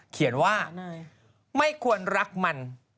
เขียนว่าไม่ควรรักมัน